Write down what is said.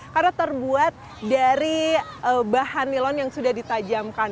karena terbuat dari bahan nilon yang sudah ditajamkan